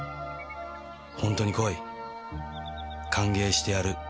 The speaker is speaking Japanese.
「ホントに来い。歓迎してやる」